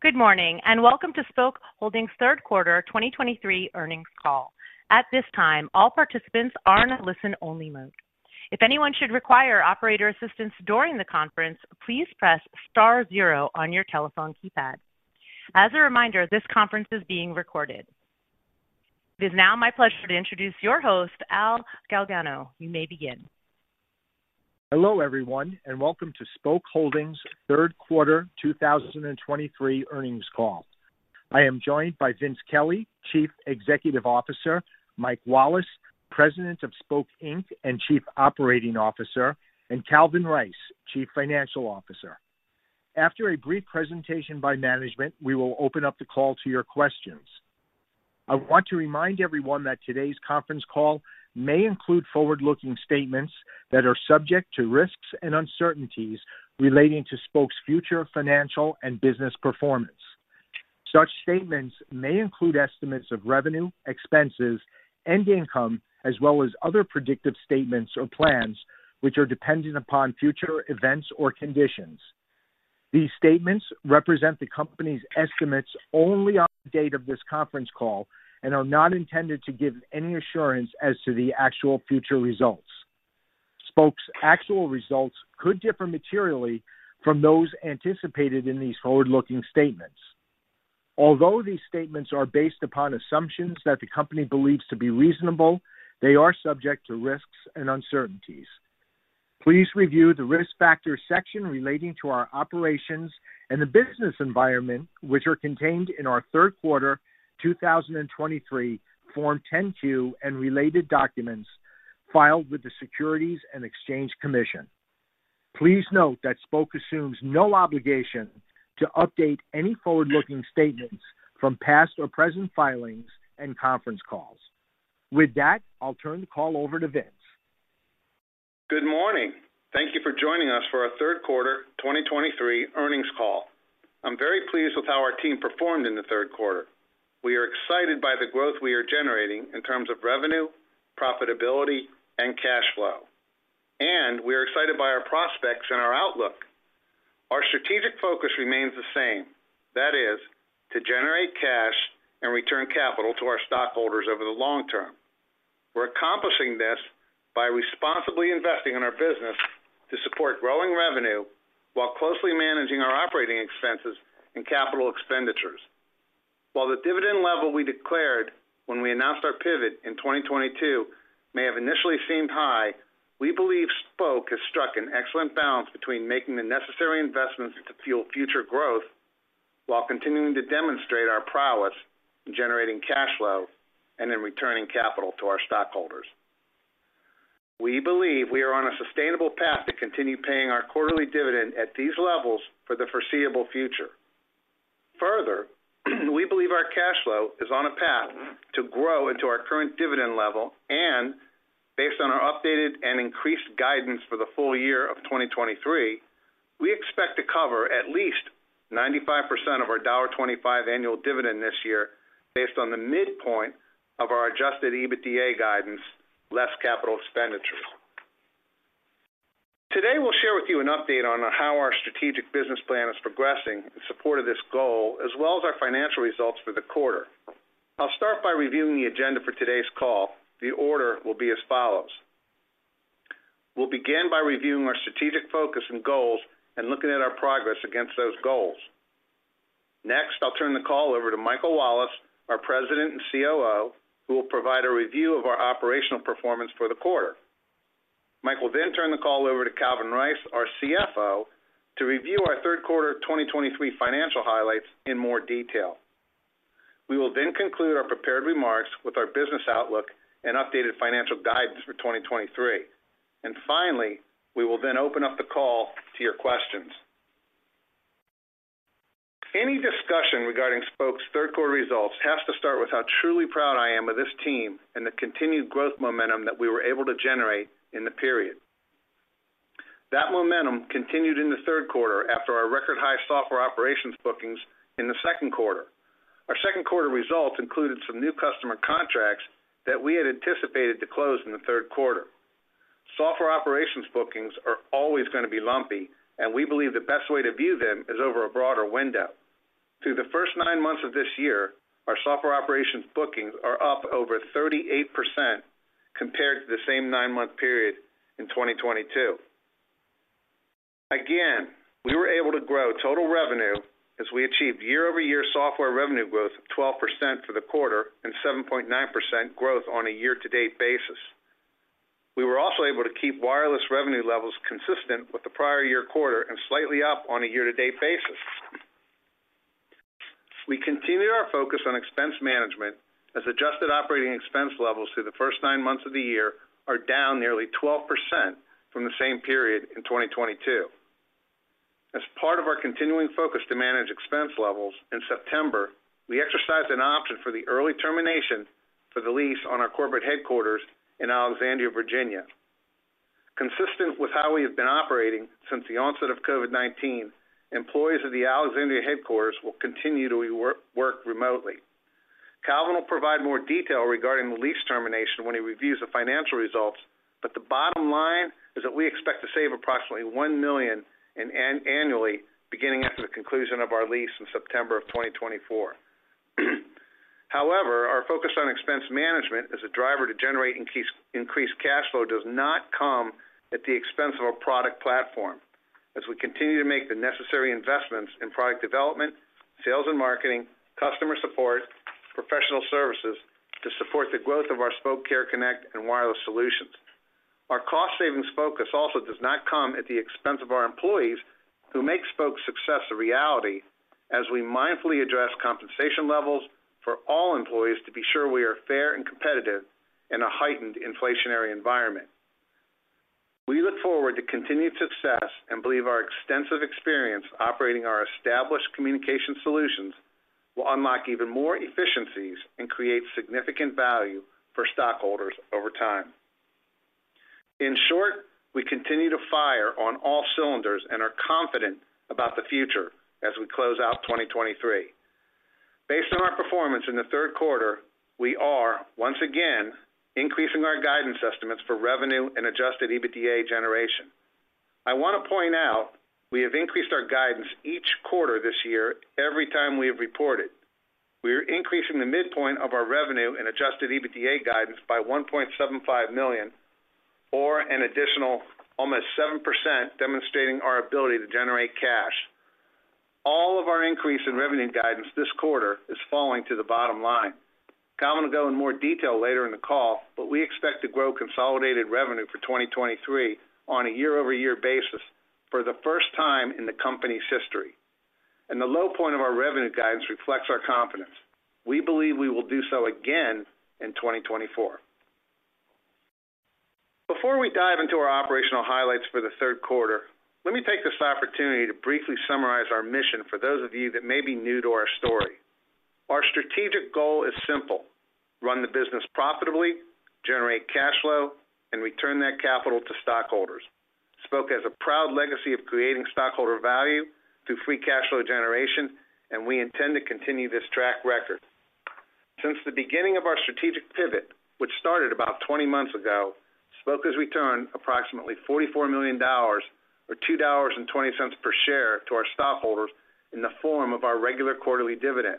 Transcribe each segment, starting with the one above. Good morning, and welcome to Spok Holdings' third quarter 2023 earnings call. At this time, all participants are in a listen-only mode. If anyone should require operator assistance during the conference, please press star zero on your telephone keypad. As a reminder, this conference is being recorded. It is now my pleasure to introduce your host, Al Galgano. You may begin. Hello, everyone, and welcome to Spok Holdings' third quarter 2023 earnings call. I am joined by Vince Kelly, Chief Executive Officer, Mike Wallace, President of Spok Inc. and Chief Operating Officer, and Calvin Rice, Chief Financial Officer. After a brief presentation by management, we will open up the call to your questions. I want to remind everyone that today's conference call may include forward-looking statements that are subject to risks and uncertainties relating to Spok's future financial and business performance. Such statements may include estimates of revenue, expenses, and income, as well as other predictive statements or plans, which are dependent upon future events or conditions. These statements represent the company's estimates only on the date of this conference call and are not intended to give any assurance as to the actual future results. Spok's actual results could differ materially from those anticipated in these forward-looking statements. Although these statements are based upon assumptions that the company believes to be reasonable, they are subject to risks and uncertainties. Please review the Risk Factors section relating to our operations and the business environment, which are contained in our third quarter 2023 Form 10-Q and related documents filed with the Securities and Exchange Commission. Please note that Spok assumes no obligation to update any forward-looking statements from past or present filings and conference calls. With that, I'll turn the call over to Vince. Good morning. Thank you for joining us for our third quarter 2023 earnings call. I'm very pleased with how our team performed in the third quarter. We are excited by the growth we are generating in terms of revenue, profitability, and cash flow, and we are excited by our prospects and our outlook. Our strategic focus remains the same. That is, to generate cash and return capital to our stockholders over the long term. We're accomplishing this by responsibly investing in our business to support growing revenue while closely managing our operating expenses and capital expenditures. While the dividend level we declared when we announced our pivot in 2022 may have initially seemed high, we believe Spok has struck an excellent balance between making the necessary investments to fuel future growth, while continuing to demonstrate our prowess in generating cash flow and in returning capital to our stockholders. We believe we are on a sustainable path to continue paying our quarterly dividend at these levels for the foreseeable future. Further, we believe our cash flow is on a path to grow into our current dividend level, and based on our updated and increased guidance for the full year of 2023, we expect to cover at least 95% of our $25 annual dividend this year, based on the midpoint of our adjusted EBITDA guidance less capital expenditures. Today, we'll share with you an update on how our strategic business plan is progressing in support of this goal, as well as our financial results for the quarter. I'll start by reviewing the agenda for today's call. The order will be as follows: We'll begin by reviewing our strategic focus and goals and looking at our progress against those goals. Next, I'll turn the call over to Michael Wallace, our President and COO, who will provide a review of our operational performance for the quarter. Mike will then turn the call over to Calvin Rice, our CFO, to review our third quarter 2023 financial highlights in more detail. We will then conclude our prepared remarks with our business outlook and updated financial guidance for 2023. And finally, we will then open up the call to your questions. Any discussion regarding Spok's third quarter results has to start with how truly proud I am of this team and the continued growth momentum that we were able to generate in the period. That momentum continued in the third quarter after our record-high software operations bookings in the second quarter. Our second quarter results included some new customer contracts that we had anticipated to close in the third quarter. Software operations bookings are always going to be lumpy, and we believe the best way to view them is over a broader window. Through the first nine months of this year, our software operations bookings are up over 38% compared to the same nine-month period in 2022. Again, we were able to grow total revenue as we achieved year-over-year software revenue growth of 12% for the quarter and 7.9% growth on a year-to-date basis. We were also able to keep wireless revenue levels consistent with the prior year quarter and slightly up on a year-to-date basis. We continue our focus on expense management as adjusted operating expense levels through the first nine months of the year are down nearly 12% from the same period in 2022. As part of our continuing focus to manage expense levels in September, we exercised an option for the early termination for the lease on our corporate headquarters in Alexandria, Virginia. Consistent with how we have been operating since the onset of COVID-19, employees of the Alexandria headquarters will continue to work remotely. Calvin will provide more detail regarding the lease termination when he reviews the financial results, but the bottom line is that we expect to save approximately $1 million annually, beginning after the conclusion of our lease in September 2024. However, our focus on expense management as a driver to generate increased cash flow does not come at the expense of our product platform, as we continue to make the necessary investments in product development, sales and marketing, customer support, professional services to support the growth of our Spok Care Connect and wireless solutions. Our cost savings focus also does not come at the expense of our employees, who make Spok's success a reality, as we mindfully address compensation levels for all employees to be sure we are fair and competitive in a heightened inflationary environment. We look forward to continued success and believe our extensive experience operating our established communication solutions will unlock even more efficiencies and create significant value for stockholders over time. In short, we continue to fire on all cylinders and are confident about the future as we close out 2023. Based on our performance in the third quarter, we are, once again, increasing our guidance estimates for revenue and adjusted EBITDA generation. I want to point out, we have increased our guidance each quarter this year, every time we have reported. We are increasing the midpoint of our revenue and adjusted EBITDA guidance by $1.75 million, or an additional almost 7% demonstrating our ability to generate cash. All of our increase in revenue guidance this quarter is falling to the bottom line. Calvin will go in more detail later in the call, but we expect to grow consolidated revenue for 2023 on a year-over-year basis for the first time in the company's history. The low point of our revenue guidance reflects our confidence. We believe we will do so again in 2024. Before we dive into our operational highlights for the third quarter, let me take this opportunity to briefly summarize our mission for those of you that may be new to our story. Our strategic goal is simple: run the business profitably, generate cash flow, and return that capital to stockholders. Spok has a proud legacy of creating stockholder value through free cash flow generation, and we intend to continue this track record. Since the beginning of our strategic pivot, which started about 20 months ago, Spok has returned approximately $44 million or $2.20 per share to our stockholders in the form of our regular quarterly dividend.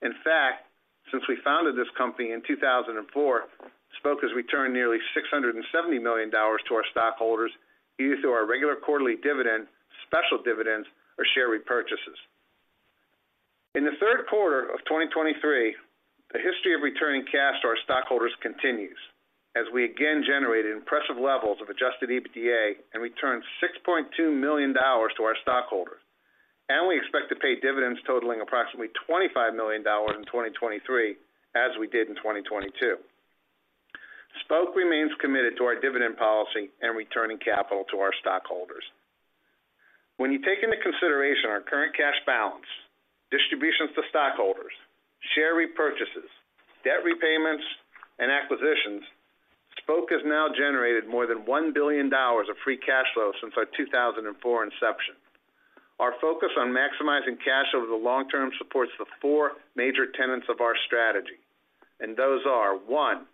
In fact, since we founded this company in 2004, Spok has returned nearly $670 million to our stockholders, either through our regular quarterly dividend, special dividends, or share repurchases. In the third quarter of 2023, the history of returning cash to our stockholders continues, as we again generated impressive levels of adjusted EBITDA and returned $6.2 million to our stockholders. We expect to pay dividends totaling approximately $25 million in 2023, as we did in 2022. Spok remains committed to our dividend policy and returning capital to our stockholders. When you take into consideration our current cash balance, distributions to stockholders, share repurchases, debt repayments, and acquisitions, Spok has now generated more than $1 billion of free cash flow since our 2004 inception. Our focus on maximizing cash over the long term supports the four major tenets of our strategy, and those are: one,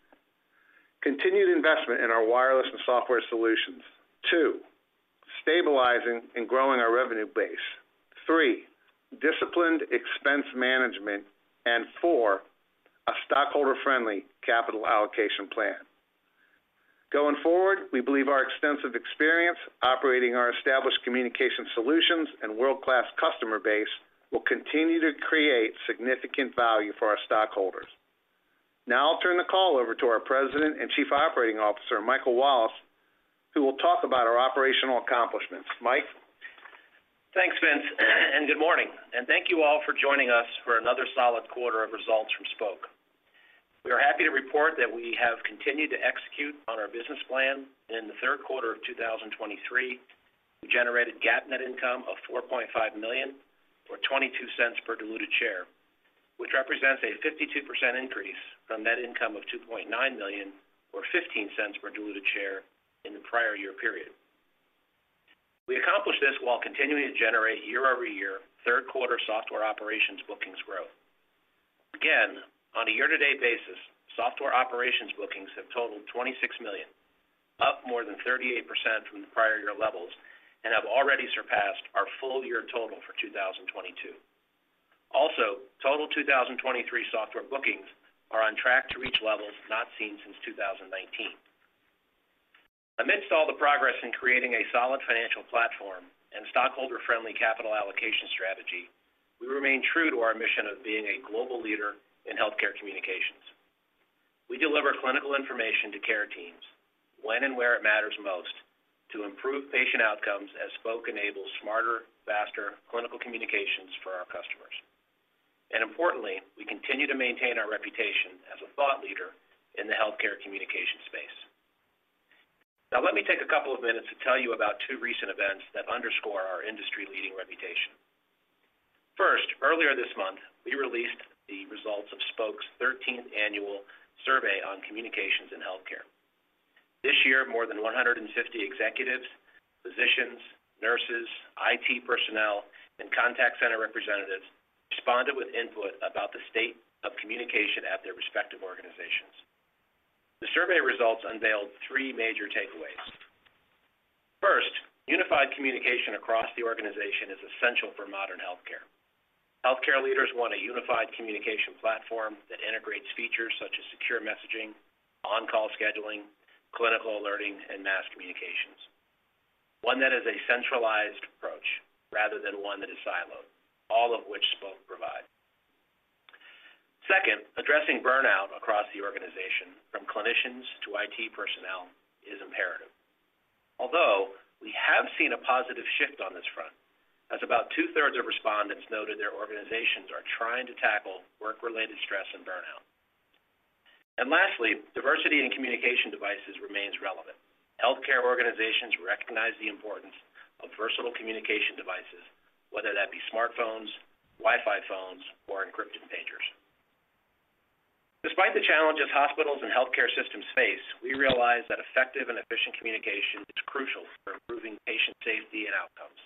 continued investment in our wireless and software solutions. Two, stabilizing and growing our revenue base. Three, disciplined expense management. And four, a stockholder-friendly capital allocation plan. Going forward, we believe our extensive experience operating our established communication solutions and world-class customer base will continue to create significant value for our stockholders. Now I'll turn the call over to our President and Chief Operating Officer, Michael Wallace, who will talk about our operational accomplishments. Mike? Thanks, Vince, and good morning, and thank you all for joining us for another solid quarter of results from Spok. We are happy to report that we have continued to execute on our business plan. In the third quarter of 2023, we generated GAAP net income of $4.5 million, or $0.22 per diluted share, which represents a 52% increase from net income of $2.9 million, or $0.15 per diluted share in the prior year period. We accomplished this while continuing to generate year-over-year third quarter software operations bookings growth. Again, on a year-to-date basis, software operations bookings have totaled $26 million, up more than 38% from the prior year levels and have already surpassed our full year total for 2022. Also, total 2023 software bookings are on track to reach levels not seen since 2019. Amidst all the progress in creating a solid financial platform and stockholder-friendly capital allocation strategy, we remain true to our mission of being a global leader in healthcare communications. We deliver clinical information to care teams, when and where it matters most, to improve patient outcomes as Spok enables smarter, faster clinical communications for our customers. And importantly, we continue to maintain our reputation as a thought leader in the healthcare communication space. Now, let me take a couple of minutes to tell you about two recent events that underscore our industry-leading reputation. First, earlier this month, we released the results of Spok's 13th annual survey on communications in healthcare. This year, more than 150 executives, physicians, nurses, IT personnel, and contact center representatives responded with input about the state of communication at their respective organizations. The survey results unveiled three major takeaways. First, unified communication across the organization is essential for modern healthcare. Healthcare leaders want a unified communication platform that integrates features such as secure messaging, on-call scheduling, clinical alerting, and mass communications. One that is a centralized approach rather than one that is siloed, all of which Spok provide. Second, addressing burnout across the organization, from clinicians to IT personnel, is imperative. Although we have seen a positive shift on this front, as about 2/3 of respondents noted their organizations are trying to tackle work-related stress and burnout. Lastly, diversity in communication devices remains relevant. Healthcare organizations recognize the importance of versatile communication devices, whether that be smartphones, Wi-Fi phones, or encrypted pagers. Despite the challenges hospitals and healthcare systems face, we realize that effective and efficient communication is crucial for improving patient safety and outcomes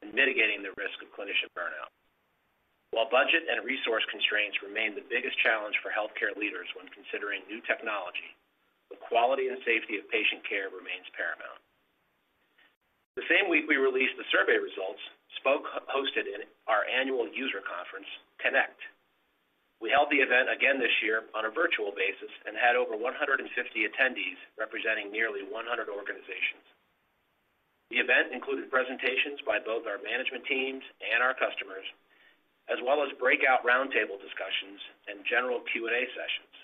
and mitigating the risk of clinician burnout. While budget and resource constraints remain the biggest challenge for healthcare leaders when considering new technology, the quality and safety of patient care remains paramount. The same week we released the survey results, Spok hosted our annual user conference, Connect. We held the event again this year on a virtual basis and had over 150 attendees representing nearly 100 organizations. The event included presentations by both our management teams and our customers, as well as breakout roundtable discussions and general Q&A sessions.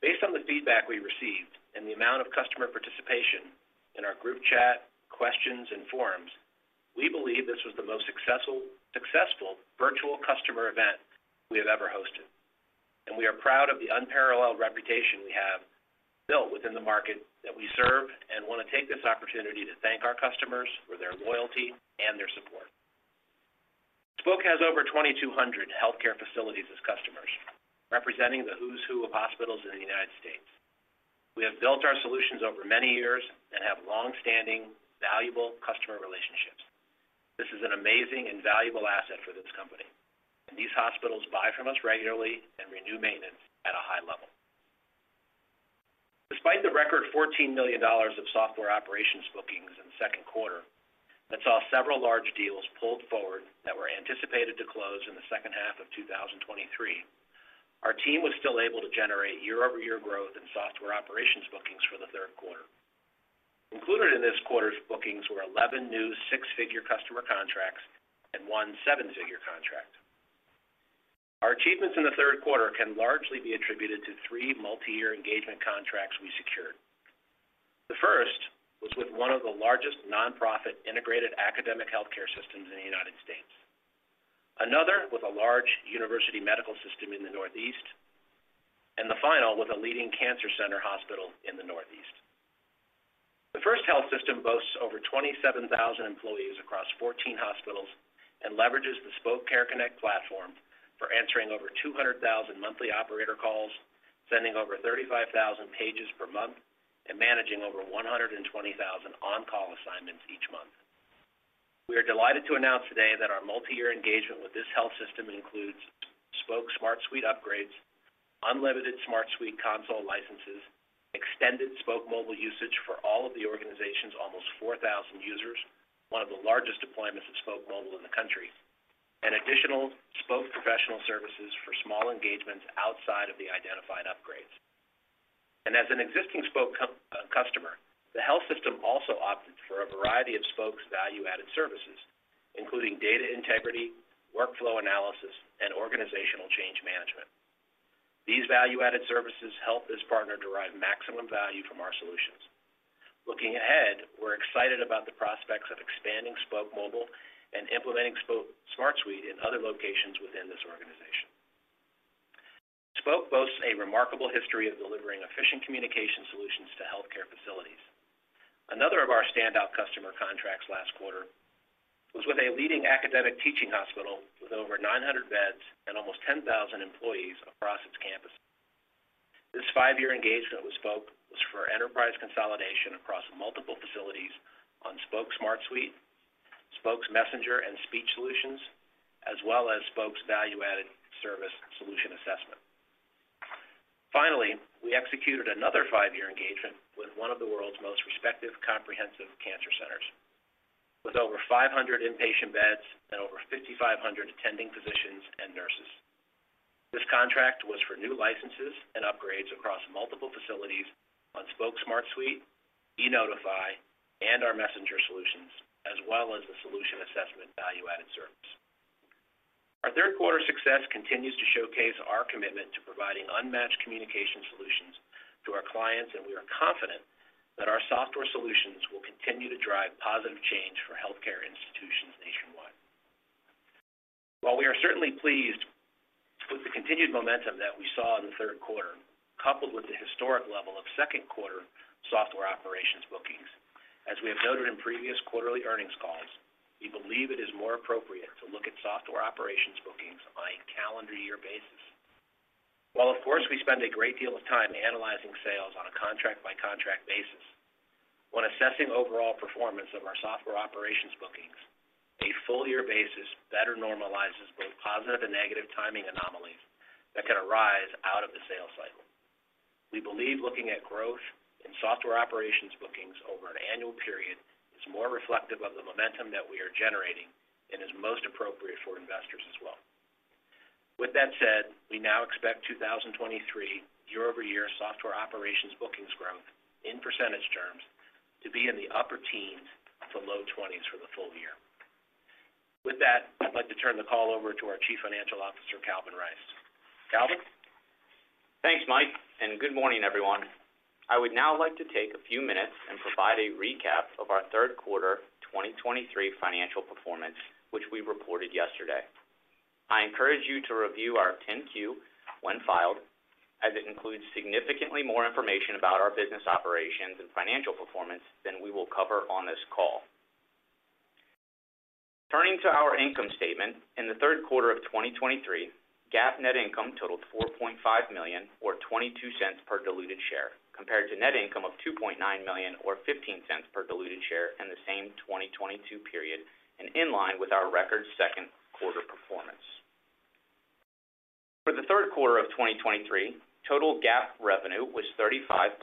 Based on the feedback we received and the amount of customer participation in our group chat, questions, and forums, we believe this was the most successful virtual customer event we have ever hosted. And we are proud of the unparalleled reputation we have built within the market that we serve and want to take this opportunity to thank our customers for their loyalty and their support. Spok has over 2,200 healthcare facilities as customers, representing the who's who of hospitals in the United States. We have built our solutions over many years and have long-standing, valuable customer relationships. This is an amazing and valuable asset for this company, and these hospitals buy from us regularly and renew maintenance at a high level. Despite the record $14 million of software operations bookings in the second quarter, that saw several large deals pulled forward that were anticipated to close in the second half of 2023, our team was still able to generate year-over-year growth in software operations bookings for the third quarter. Included in this quarter's bookings were 11 new six-figure customer contracts and one seven-figure contract. Our achievements in the third quarter can largely be attributed to three multi-year engagement contracts we secured. The first was with one of the largest nonprofit integrated academic healthcare systems in the United States, another with a large university medical system in the Northeast, and the final with a leading cancer center hospital in the Northeast. The first health system boasts over 27,000 employees across 14 hospitals and leverages the Spok Care Connect platform for answering over 200,000 monthly operator calls, sending over 35,000 pages per month, and managing over 120,000 on-call assignments each month. We are delighted to announce today that our multi-year engagement with this health system includes Spok Smart Suite upgrades, unlimited Smart Suite console licenses, extended Spok Mobile usage for all of the organization's almost 4,000 users, one of the largest deployments of Spok Mobile in the country, and additional Spok professional services for small engagements outside of the identified upgrades. As an existing Spok customer, the health system also opted for a variety of Spok's value-added services, including data integrity, workflow analysis, and organizational change management. These value-added services help this partner derive maximum value from our solutions. Looking ahead, we're excited about the prospects of expanding Spok Mobile and implementing Spok Smart Suite in other locations within this organization. Spok boasts a remarkable history of delivering efficient communication solutions to healthcare facilities. Another of our standout customer contracts last quarter was with a leading academic teaching hospital with over 900 beds and almost 10,000 employees across its campus. This five-year engagement with Spok was for enterprise consolidation across multiple facilities on Spok Smart Suite, Spok's Messenger and Speech Solutions, as well as Spok's value-added service solution assessment. Finally, we executed another five-year engagement with one of the world's most respected comprehensive cancer centers, with over 500 inpatient beds and over 5,500 attending physicians and nurses. This contract was for new licenses and upgrades across multiple facilities on Spok Smart Suite, e.Notify, and our Messenger solutions, as well as the solution assessment value-added service. Our third quarter success continues to showcase our commitment to providing unmatched communication solutions to our clients, and we are confident that our software solutions will continue to drive positive change for healthcare institutions nationwide. While we are certainly pleased with the continued momentum that we saw in the third quarter, coupled with the historic level of second quarter software operations bookings, as we have noted in previous quarterly earnings calls, we believe it is more appropriate to look at software operations bookings on a calendar year basis. While, of course, we spend a great deal of time analyzing sales on a contract-by-contract basis, when assessing overall performance of our software operations bookings, a full year basis better normalizes both positive and negative timing anomalies that can arise out of the sales cycle. We believe looking at growth in software operations bookings over an annual period is more reflective of the momentum that we are generating and is most appropriate for investors as well. With that said, we now expect 2023 year-over-year software operations bookings growth in percentage terms to be in the upper teens to low 20s for the full year. With that, I'd like to turn the call over to our Chief Financial Officer, Calvin Rice. Calvin? Thanks, Mike, and good morning, everyone. I would now like to take a few minutes and provide a recap of our third quarter 2023 financial performance, which we reported yesterday. I encourage you to review our 10-Q when filed, as it includes significantly more information about our business operations and financial performance than we will cover on this call. Turning to our income statement, in the third quarter of 2023, GAAP net income totaled $4.5 million, or $0.22 per diluted share, compared to net income of $2.9 million, or $0.15 per diluted share in the same 2022 period and in line with our record second quarter performance. For the third quarter of 2023, total GAAP revenue was $35.4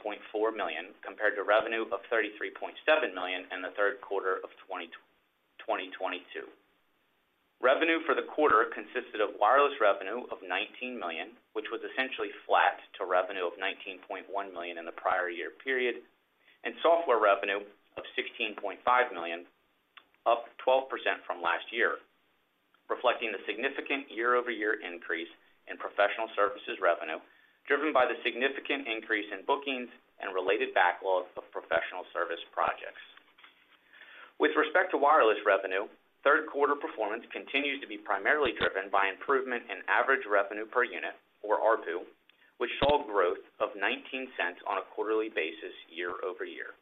million, compared to revenue of $33.7 million in the third quarter of 2022. Revenue for the quarter consisted of wireless revenue of $19 million, which was essentially flat to revenue of $19.1 million in the prior year period, and software revenue of $16.5 million, up 12% from last year, reflecting the significant year-over-year increase in professional services revenue, driven by the significant increase in bookings and related backlogs of professional service projects. With respect to wireless revenue, third quarter performance continues to be primarily driven by improvement in average revenue per unit, or ARPU, which saw growth of $0.19 on a quarterly basis year-over-year.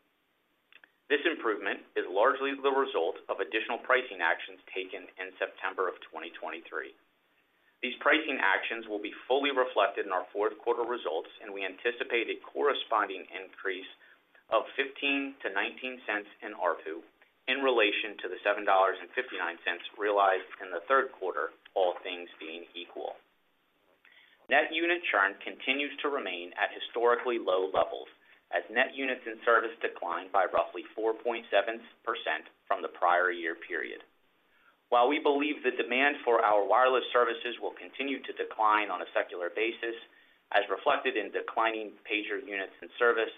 This improvement is largely the result of additional pricing actions taken in September of 2023. These pricing actions will be fully reflected in our fourth quarter results, and we anticipate a corresponding increase of $0.15-$0.19 in ARPU in relation to the $7.59 realized in the third quarter, all things being equal. Net unit churn continues to remain at historically low levels, as net units in service declined by roughly 4.7% from the prior year period. While we believe the demand for our wireless services will continue to decline on a secular basis, as reflected in declining pager units in service,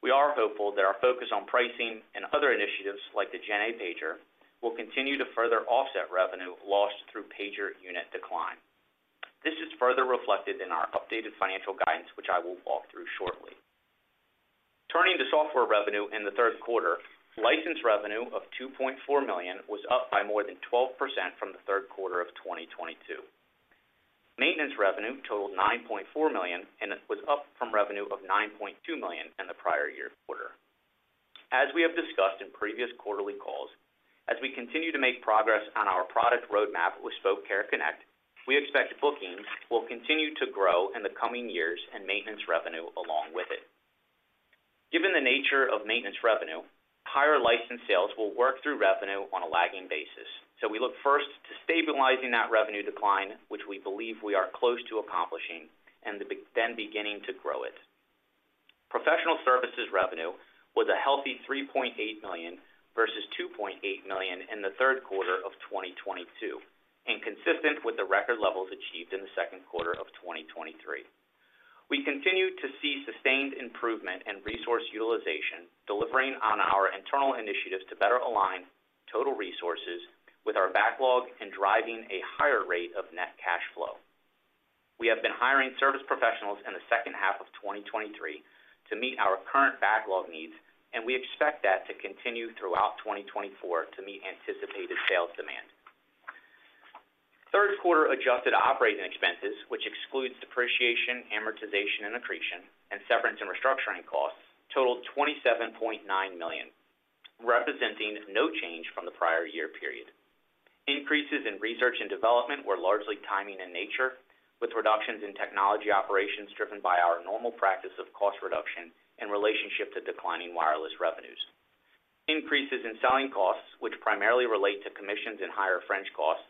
we are hopeful that our focus on pricing and other initiatives, like the GenA pager, will continue to further offset revenue lost through pager unit decline. This is further reflected in our updated financial guidance, which I will walk through shortly. Turning to software revenue in the third quarter, license revenue of $2.4 million was up by more than 12% from the third quarter of 2022. Maintenance revenue totaled $9.4 million, and it was up from revenue of $9.2 million in the prior year quarter. As we have discussed in previous quarterly calls, as we continue to make progress on our product roadmap with Spok Care Connect, we expect bookings will continue to grow in the coming years and maintenance revenue along with it. Given the nature of maintenance revenue, higher license sales will work through revenue on a lagging basis. So we look first to stabilizing that revenue decline, which we believe we are close to accomplishing, and then beginning to grow it. Professional services revenue was a healthy $3.8 million versus $2.8 million in the third quarter of 2022, and consistent with the record levels achieved in the second quarter of 2023. We continue to see sustained improvement in resource utilization, delivering on our internal initiatives to better align total resources with our backlog and driving a higher rate of net cash flow. We have been hiring service professionals in the second half of 2023 to meet our current backlog needs, and we expect that to continue throughout 2024 to meet anticipated sales demand. Third quarter adjusted operating expenses, which excludes depreciation, amortization, and accretion, and severance and restructuring costs, totaled $27.9 million, representing no change from the prior year period. Increases in research and development were largely timing in nature, with reductions in technology operations driven by our normal practice of cost reduction in relationship to declining wireless revenues. Increases in selling costs, which primarily relate to commissions and higher fringe costs,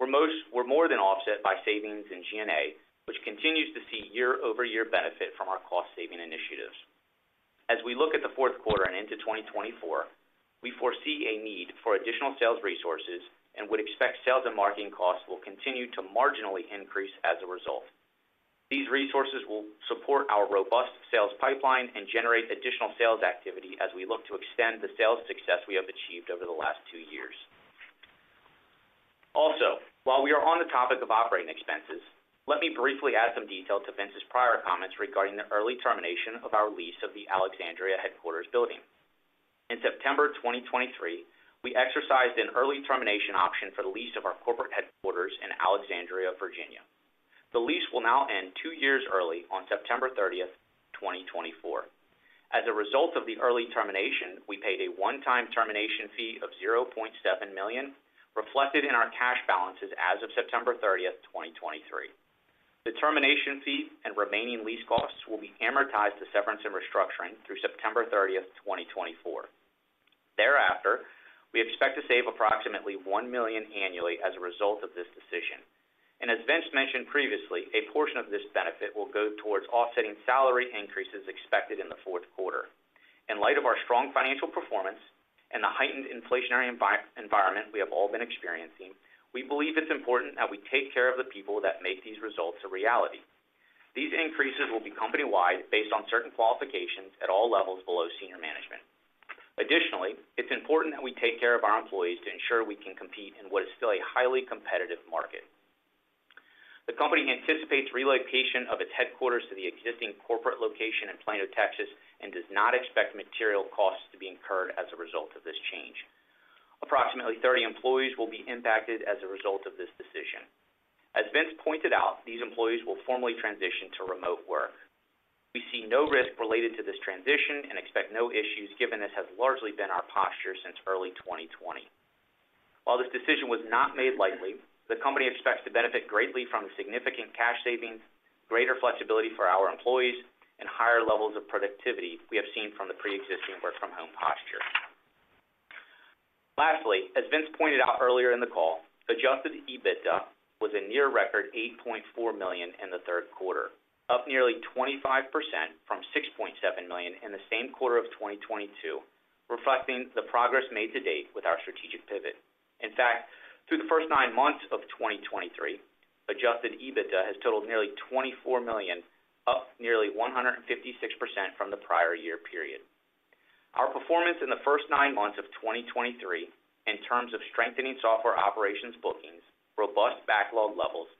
were more than offset by savings in G&A, which continues to see year-over-year benefit from our cost-saving initiatives. As we look at the fourth quarter and into 2024, we foresee a need for additional sales resources and would expect sales and marketing costs will continue to marginally increase as a result. These resources will support our robust sales pipeline and generate additional sales activity as we look to extend the sales success we have achieved over the last two years. Also, while we are on the topic of operating expenses, let me briefly add some detail to Vince's prior comments regarding the early termination of our lease of the Alexandria headquarters building. In September 2023, we exercised an early termination option for the lease of our corporate headquarters in Alexandria, Virginia. The lease will now end two years early on September 30th, 2024. As a result of the early termination, we paid a one-time termination fee of $0.7 million, reflected in our cash balances as of September 30th, 2023. The termination fee and remaining lease costs will be amortized to severance and restructuring through September 30th, 2024. Thereafter, we expect to save approximately $1 million annually as a result of this decision. As Vince mentioned previously, a portion of this benefit will go towards offsetting salary increases expected in the fourth quarter. In light of our strong financial performance and the heightened inflationary environment we have all been experiencing, we believe it's important that we take care of the people that make these results a reality. These increases will be company-wide, based on certain qualifications at all levels below senior management. Additionally, it's important that we take care of our employees to ensure we can compete in what is still a highly competitive market. The company anticipates relocation of its headquarters to the existing corporate location in Plano, Texas, and does not expect material costs to be incurred as a result of this change. Approximately 30 employees will be impacted as a result of this decision. As Vince pointed out, these employees will formally transition to remote work. We see no risk related to this transition and expect no issues, given this has largely been our posture since early 2020. While this decision was not made lightly, the company expects to benefit greatly from the significant cash savings, greater flexibility for our employees, and higher levels of productivity we have seen from the pre-existing work-from-home posture. Lastly, as Vince pointed out earlier in the call, adjusted EBITDA was a near record $8.4 million in the third quarter, up nearly 25% from $6.7 million in the same quarter of 2022, reflecting the progress made to date with our strategic pivot. In fact, through the first nine months of 2023, adjusted EBITDA has totaled nearly $24 million, up nearly 156% from the prior year period. Our performance in the first nine months of 2023, in terms of strengthening software operations bookings, robust backlog levels,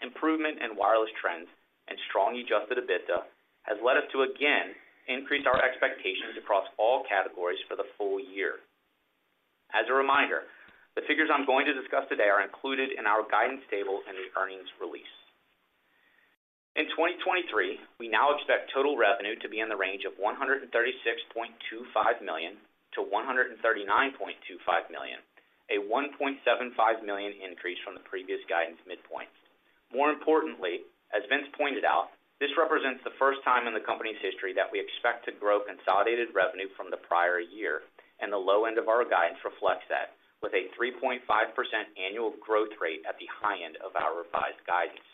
improvement in wireless trends, and strong adjusted EBITDA, has led us to again increase our expectations across all categories for the full year. As a reminder, the figures I'm going to discuss today are included in our guidance tables in the earnings release. In 2023, we now expect total revenue to be in the range of $136.25 million-$139.25 million, a $1.75 million increase from the previous guidance midpoint. More importantly, as Vince pointed out, this represents the first time in the company's history that we expect to grow consolidated revenue from the prior year, and the low end of our guidance reflects that, with a 3.5% annual growth rate at the high end of our revised guidance.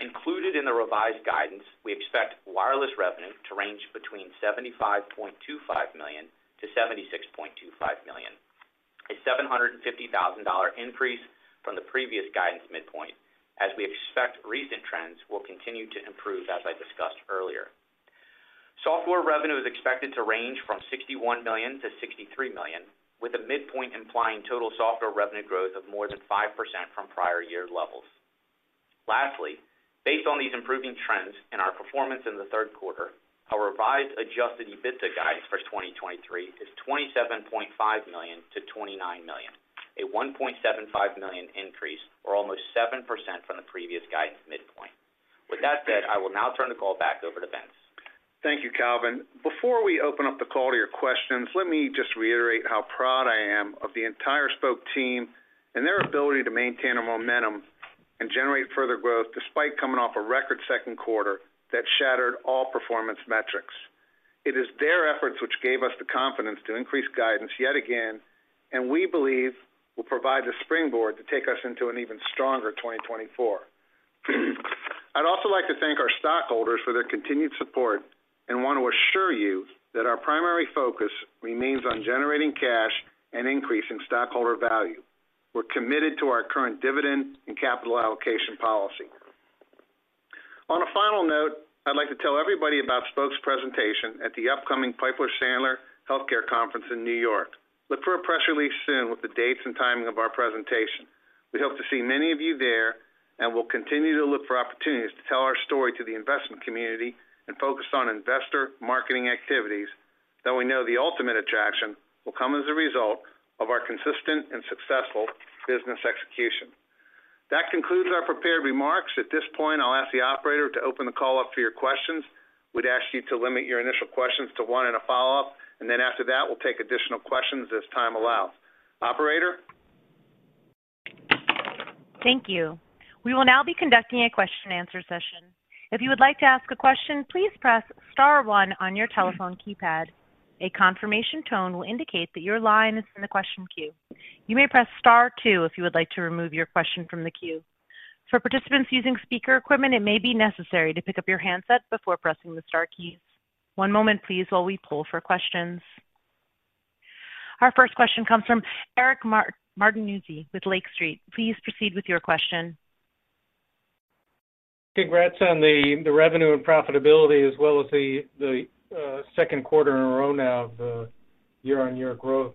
Included in the revised guidance, we expect wireless revenue to range between $75.25 million-$76.25 million, a $750,000 increase from the previous guidance midpoint, as we expect recent trends will continue to improve, as I discussed earlier. Software revenue is expected to range from $61 million-$63 million, with a midpoint implying total software revenue growth of more than 5% from prior year levels. Lastly, based on these improving trends and our performance in the third quarter, our revised adjusted EBITDA guidance for 2023 is $27.5 million-$29 million, a $1.75 million increase, or almost 7% from the previous guidance midpoint. With that said, I will now turn the call back over to Vince. Thank you, Calvin. Before we open up the call to your questions, let me just reiterate how proud I am of the entire Spok team and their ability to maintain the momentum and generate further growth, despite coming off a record second quarter that shattered all performance metrics. It is their efforts which gave us the confidence to increase guidance yet again, and we believe will provide the springboard to take us into an even stronger 2024. I'd also like to thank our stockholders for their continued support and want to assure you that our primary focus remains on generating cash and increasing stockholder value. We're committed to our current dividend and capital allocation policy. On a final note, I'd like to tell everybody about Spok's presentation at the upcoming Piper Sandler Healthcare Conference in New York. Look for a press release soon with the dates and timing of our presentation. We hope to see many of you there, and we'll continue to look for opportunities to tell our story to the investment community and focus on investor marketing activities, though we know the ultimate attraction will come as a result of our consistent and successful business execution. That concludes our prepared remarks. At this point, I'll ask the operator to open the call up for your questions. We'd ask you to limit your initial questions to one and a follow-up, and then after that, we'll take additional questions as time allows. Operator? Thank you. We will now be conducting a question-and-answer session. If you would like to ask a question, please press star one on your telephone keypad. A confirmation tone will indicate that your line is in the question queue. You may press star two if you would like to remove your question from the queue. For participants using speaker equipment, it may be necessary to pick up your handset before pressing the star keys. One moment, please, while we pull for questions. Our first question comes from Eric Martinuzzi with Lake Street. Please proceed with your question. Congrats on the revenue and profitability, as well as the second quarter in a row now of year-on-year growth.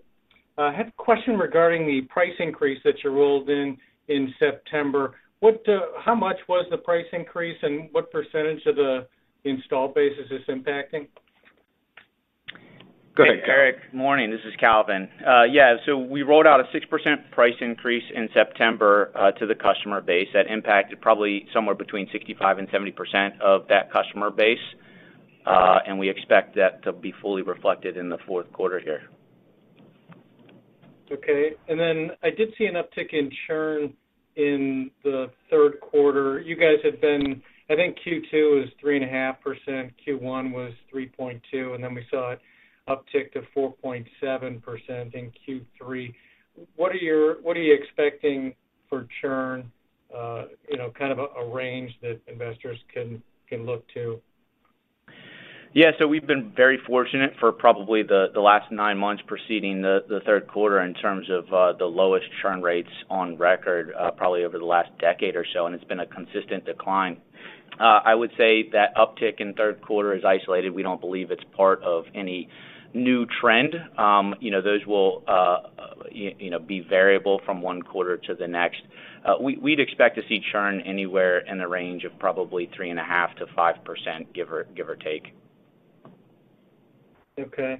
I had a question regarding the price increase that you rolled in in September. What, how much was the price increase, and what percentage of the install base is this impacting? Eric, morning, this is Calvin. Yeah, so we rolled out a 6% price increase in September, to the customer base. That impacted probably somewhere between 65%-70% of that customer base, and we expect that to be fully reflected in the fourth quarter here. Okay. And then I did see an uptick in churn in the third quarter. You guys had been, I think, Q2 was 3.5%, Q1 was 3.2%, and then we saw it uptick to 4.7% in Q3. What are you expecting for churn? You know, kind of a range that investors can look to. Yeah, so we've been very fortunate for probably the last nine months preceding the third quarter in terms of the lowest churn rates on record, probably over the last decade or so, and it's been a consistent decline. I would say that uptick in third quarter is isolated. We don't believe it's part of any new trend. You know, those will, you know, be variable from one quarter to the next. We'd expect to see churn anywhere in the range of probably 3.5%-5%, give or take. Okay.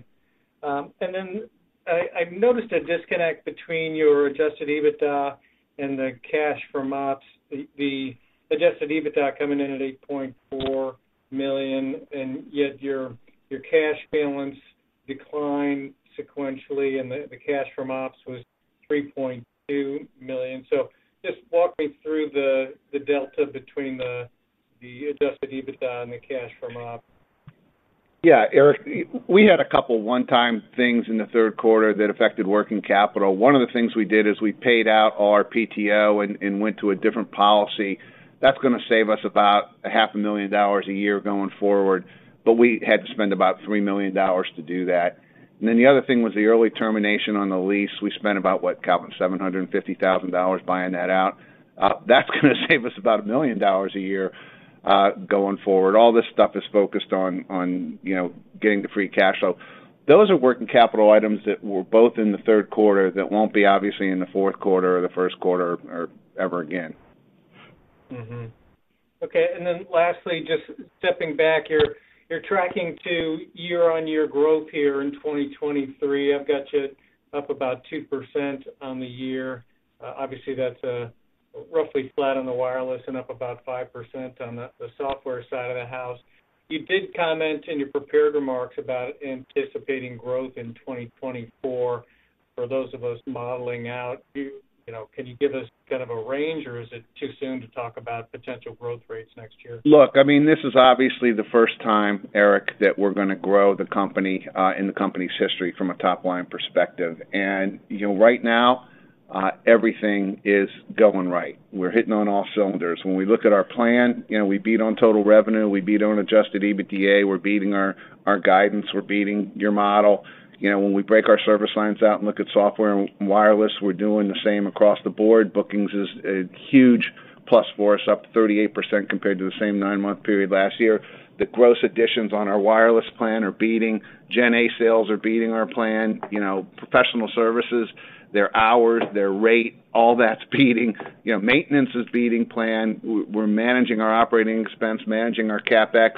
And then I noticed a disconnect between your adjusted EBITDA and the cash from ops. The adjusted EBITDA coming in at $8.4 million, and yet your cash balance declined sequentially, and the cash from ops was $3.2 million. So just walk me through the delta between the adjusted EBITDA and the cash from op. Yeah, Eric, we had a couple one-time things in the third quarter that affected working capital. One of the things we did is we paid out all our PTO and went to a different policy. That's gonna save us about $500,000 a year going forward, but we had to spend about $3 million to do that. And then the other thing was the early termination on the lease. We spent about, what, Calvin? $750,000 buying that out. That's gonna save us about $1 million a year going forward. All this stuff is focused on, you know, getting to free cash flow. Those are working capital items that were both in the third quarter, that won't be obviously in the fourth quarter or the first quarter or ever again. Mm-hmm. Okay, and then lastly, just stepping back here, you're tracking to year-on-year growth here in 2023. I've got you up about 2% on the year. Obviously, that's roughly flat on the wireless and up about 5% on the software side of the house. You did comment in your prepared remarks about anticipating growth in 2024. For those of us modeling out, you know, can you give us kind of a range, or is it too soon to talk about potential growth rates next year? Look, I mean, this is obviously the first time, Eric, that we're gonna grow the company in the company's history from a top-line perspective. And, you know, right now, everything is going right. We're hitting on all cylinders. When we look at our plan, you know, we beat on total revenue, we beat on adjusted EBITDA, we're beating our guidance, we're beating your model. You know, when we break our service lines out and look at software and wireless, we're doing the same across the board. Bookings is a huge plus for us, up 38% compared to the same nine-month period last year. The gross additions on our wireless plan are beating. GenA sales are beating our plan. You know, professional services, their hours, their rate, all that's beating. You know, maintenance is beating plan. We're managing our operating expense, managing our CapEx.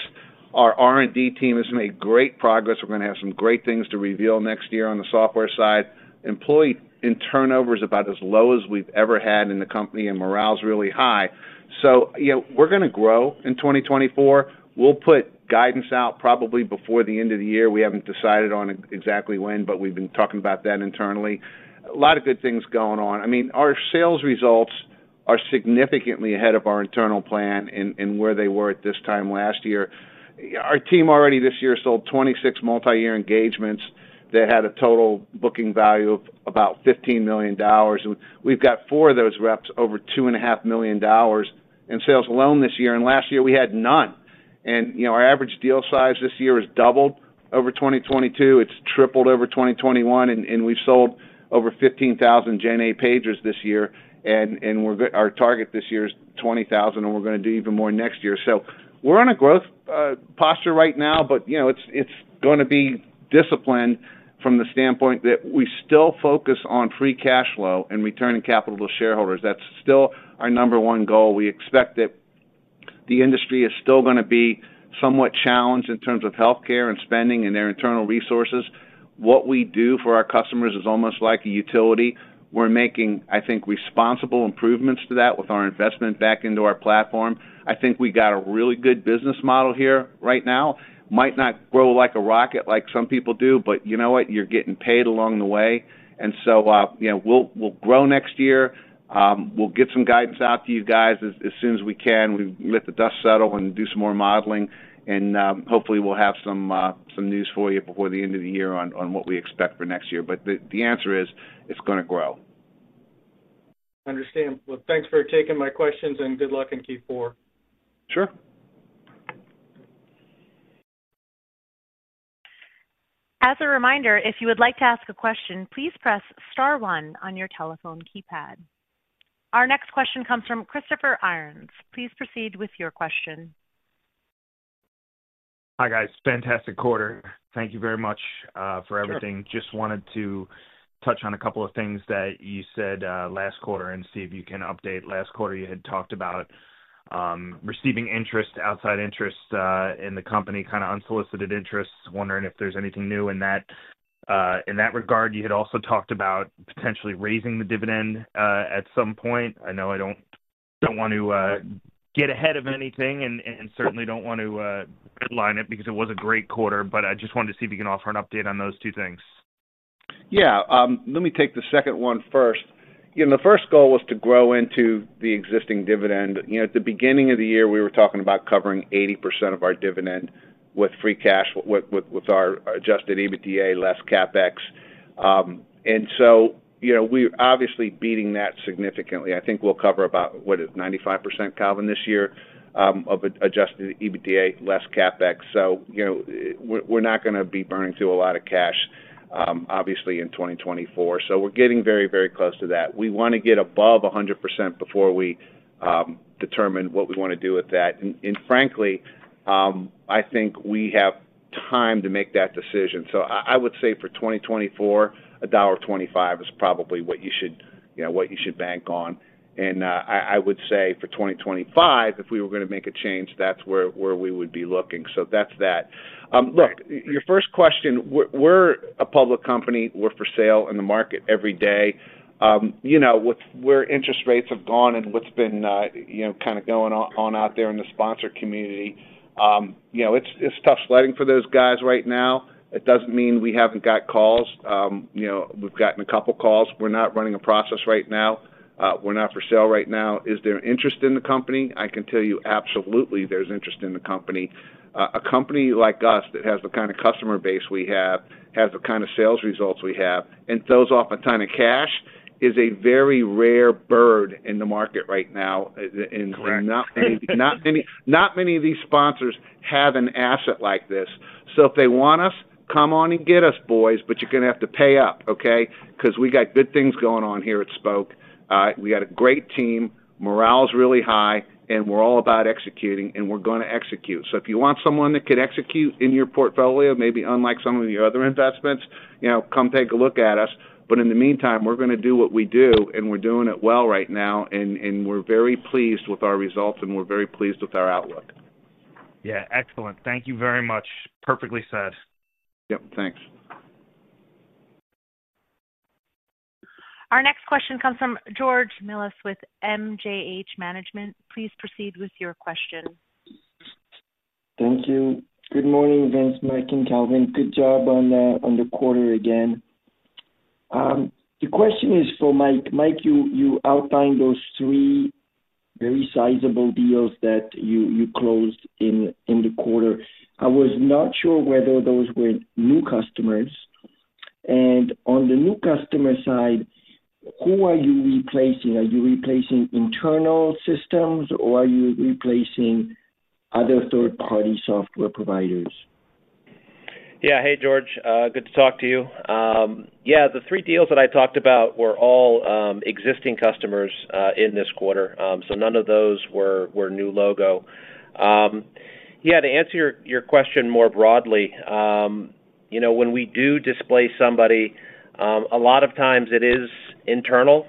Our R&D team has made great progress. We're gonna have some great things to reveal next year on the software side. Employee turnover is about as low as we've ever had in the company, and morale is really high. So, you know, we're gonna grow in 2024. We'll put guidance out probably before the end of the year. We haven't decided on exactly when, but we've been talking about that internally. A lot of good things going on. I mean, our sales results are significantly ahead of our internal plan and where they were at this time last year. Our team already this year sold 26 multiyear engagements that had a total booking value of about $15 million. We've got four of those reps, over $2.5 million in sales alone this year, and last year we had none. You know, our average deal size this year has doubled over 2022. It's tripled over 2021, and we've sold over 15,000 GenA pagers this year, and our target this year is 20,000, and we're gonna do even more next year. So we're on a growth posture right now, but, you know, it's, it's gonna be disciplined from the standpoint that we still focus on free cash flow and returning capital to shareholders. That's still our number one goal. We expect that the industry is still gonna be somewhat challenged in terms of healthcare and spending and their internal resources. What we do for our customers is almost like a utility. We're making, I think, responsible improvements to that with our investment back into our platform. I think we got a really good business model here right now. Might not grow like a rocket like some people do, but you know what? You're getting paid along the way. And so, you know, we'll grow next year. We'll get some guidance out to you guys as soon as we can. We've let the dust settle and do some more modeling, and hopefully, we'll have some news for you before the end of the year on what we expect for next year. But the answer is, it's gonna grow. Understand. Well, thanks for taking my questions, and good luck in Q4. Sure. As a reminder, if you would like to ask a question, please press star one on your telephone keypad. Our next question comes from Christopher Irons. Please proceed with your question. Hi, guys. Fantastic quarter. Thank you very much for everything. Sure. Just wanted to touch on a couple of things that you said last quarter and see if you can update. Last quarter, you had talked about receiving interest, outside interest, in the company, kind of unsolicited interest. Wondering if there's anything new in that. In that regard, you had also talked about potentially raising the dividend at some point. I know I don't, don't want to get ahead of anything and certainly don't want to headline it because it was a great quarter, but I just wanted to see if you can offer an update on those two things. Yeah. Let me take the second one first. You know, the first goal was to grow into the existing dividend. You know, at the beginning of the year, we were talking about covering 80% of our dividend with free cash, with our adjusted EBITDA less CapEx. And so, you know, we're obviously beating that significantly. I think we'll cover about, what is it? 95%, Calvin, this year, of adjusted EBITDA less CapEx. So, you know, we're not gonna be burning through a lot of cash, obviously, in 2024. So we're getting very, very close to that. We wanna get above 100% before we determine what we wanna do with that. And frankly, I think we have time to make that decision. So I would say for 2024, $1.25 is probably what you should, you know, what you should bank on. And I would say for 2025, if we were gonna make a change, that's where we would be looking. So that's that. Look, your first question, we're a public company. We're for sale in the market every day. You know, with where interest rates have gone and what's been, you know, kind of going on out there in the sponsor community, you know, it's tough sledding for those guys right now. It doesn't mean we haven't got calls. You know, we've gotten a couple calls. We're not running a process right now. We're not for sale right now. Is there interest in the company? I can tell you absolutely, there's interest in the company. A company like us, that has the kind of customer base we have, has the kind of sales results we have, and throws off a ton of cash, is a very rare bird in the market right now. And- Correct. Not many, not many, not many of these sponsors have an asset like this. So if they want us, come on and get us, boys, but you're gonna have to pay up, okay? 'Cause we got good things going on here at Spok. We got a great team, morale is really high, and we're all about executing, and we're gonna execute. So if you want someone that could execute in your portfolio, maybe unlike some of your other investments, you know, come take a look at us. But in the meantime, we're gonna do what we do, and we're doing it well right now, and, and we're very pleased with our results, and we're very pleased with our outlook. Yeah, excellent. Thank you very much. Perfectly said. Yep, thanks. Our next question comes from George Melas with MKH Management. Please proceed with your question. Thank you. Good morning, Vince, Mike, and Calvin. Good job on the quarter again. The question is for Mike. Mike, you outlined those three very sizable deals that you closed in the quarter. I was not sure whether those were new customers. And on the new customer side, who are you replacing? Are you replacing internal systems, or are you replacing other third-party software providers? Yeah. Hey, George, good to talk to you. Yeah, the three deals that I talked about were all existing customers in this quarter. So none of those were new logo. Yeah, to answer your question more broadly. You know, when we do displace somebody, a lot of times it is internal,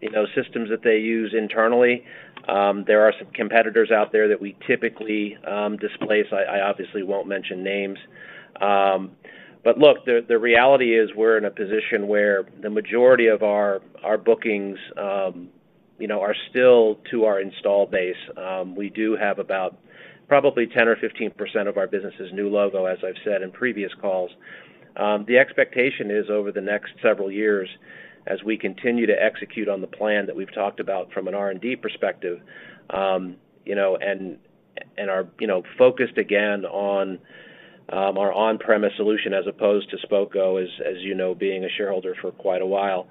you know, systems that they use internally. There are some competitors out there that we typically displace. I obviously won't mention names. But look, the reality is, we're in a position where the majority of our bookings, you know, are still to our install base. We do have about probably 10%-15% of our business is new logo, as I've said in previous calls. The expectation is, over the next several years, as we continue to execute on the plan that we've talked about from an R&D perspective, you know. And are, you know, focused again on our on-premise solution as opposed to Spok, as you know, being a shareholder for quite a while.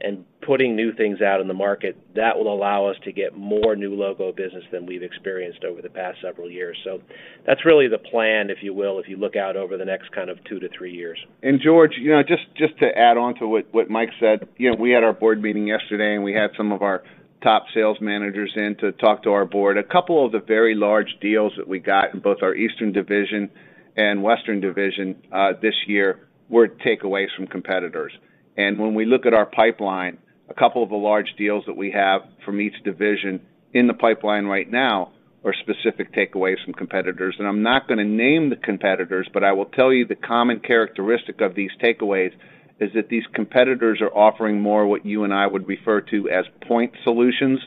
And putting new things out in the market, that will allow us to get more new logo business than we've experienced over the past several years. So that's really the plan, if you will, if you look out over the next kind of two to three years. And George, you know, just to add on to what Mike said, you know, we had our Board meeting yesterday, and we had some of our top sales managers in to talk to our Board. A couple of the very large deals that we got in both our Eastern division and Western division this year were takeaways from competitors. And when we look at our pipeline, a couple of the large deals that we have from each division in the pipeline right now are specific takeaways from competitors. And I'm not gonna name the competitors, but I will tell you the common characteristic of these takeaways is that these competitors are offering more what you and I would refer to as point solutions,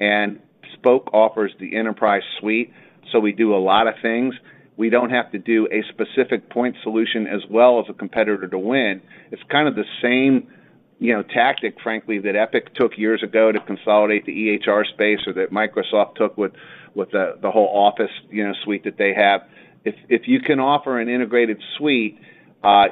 and Spok offers the enterprise suite, so we do a lot of things. We don't have to do a specific point solution as well as a competitor to win. It's kind of the same, you know, tactic, frankly, that Epic took years ago to consolidate the EHR space or that Microsoft took with the whole Office, you know, suite that they have. If you can offer an integrated suite,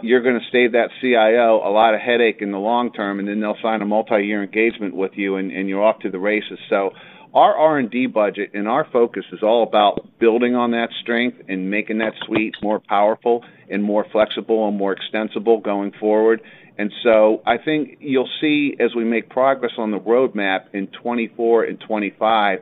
you're gonna save that CIO a lot of headache in the long term, and then they'll sign a multi-year engagement with you, and you're off to the races. So, our R&D budget and our focus is all about building on that strength and making that suite more powerful and more flexible and more extensible going forward. So I think you'll see, as we make progress on the roadmap in 2024 and 2025,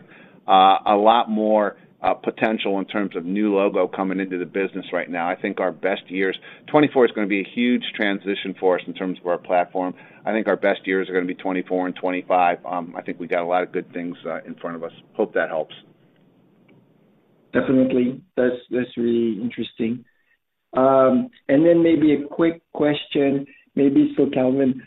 a lot more potential in terms of new logo coming into the business right now. I think our best years, 2024 is gonna be a huge transition for us in terms of our platform. I think our best years are gonna be 2024 and 2025. I think we got a lot of good things in front of us. Hope that helps. Definitely. That's, that's really interesting. And then maybe a quick question, maybe for Calvin.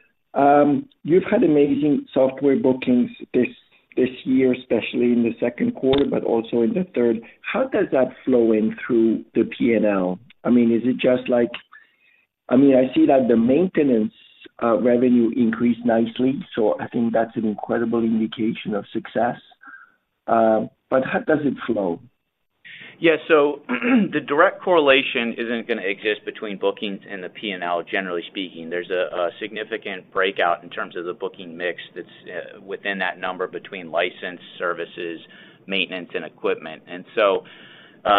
You've had amazing software bookings this year, especially in the second quarter, but also in the third. How does that flow in through the P&L? I mean, is it just like, I mean, I see that the maintenance revenue increased nicely, so I think that's an incredible indication of success. But how does it flow? Yes, so, the direct correlation isn't gonna exist between bookings and the P&L, generally speaking. There's a significant breakout in terms of the booking mix that's within that number between license, services, maintenance, and equipment. And so,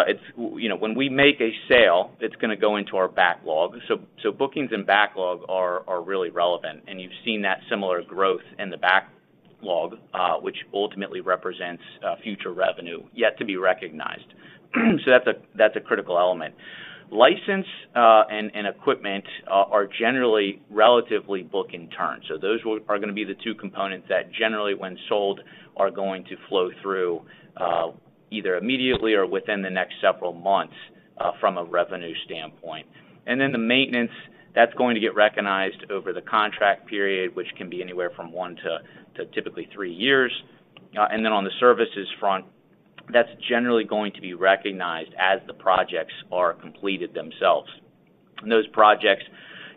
it's, you know, when we make a sale, it's gonna go into our backlog. So bookings and backlog are really relevant, and you've seen that similar growth in the backlog, which ultimately represents future revenue yet to be recognized. c And then the maintenance, that's going to get recognized over the contract period, which can be anywhere from one to typically three years. And then on the services front, that's generally going to be recognized as the projects are completed themselves. And those projects,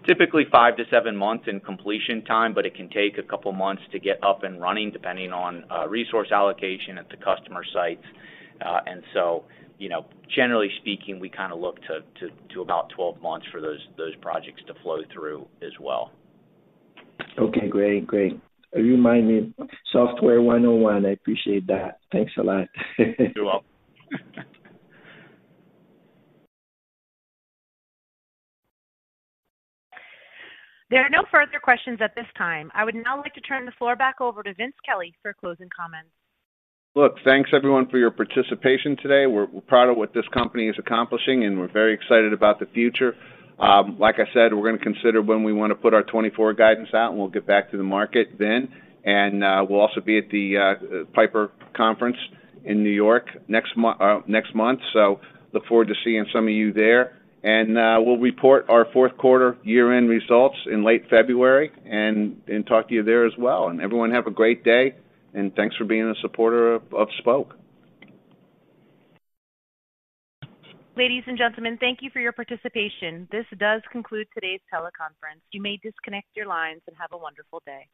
typically five to seven months in completion time, but it can take a couple of months to get up and running, depending on resource allocation at the customer sites. And so, you know, generally speaking, we kind of look to about 12 months for those projects to flow through as well. Okay, great, great. You remind me, Software 101. I appreciate that. Thanks a lot. You're welcome. There are no further questions at this time. I would now like to turn the floor back over to Vince Kelly for closing comments. Look, thanks, everyone, for your participation today. We're proud of what this company is accomplishing, and we're very excited about the future. Like I said, we're gonna consider when we want to put our 2024 guidance out, and we'll get back to the market then. We'll also be at the Piper conference in New York next month. So look forward to seeing some of you there. We'll report our fourth quarter year-end results in late February, and talk to you there as well. Everyone, have a great day, and thanks for being a supporter of Spok. Ladies and gentlemen, thank you for your participation. This does conclude today's teleconference. You may disconnect your lines and have a wonderful day.